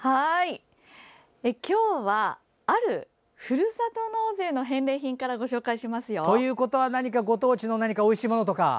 今日はあるふるさと納税の返礼品からご紹介しますよ。ということはご当地のおいしいものとか？